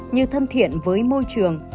như thân thiện với môi trường